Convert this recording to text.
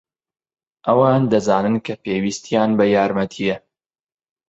ئەوان دەزانن کە پێویستیان بە یارمەتییە.